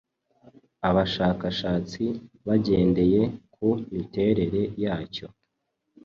abashakashatsi bagendeye ku miterere yacyo